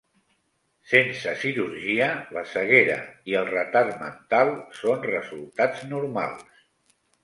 Sense cirurgia, la ceguera i el retard mental són resultats normals.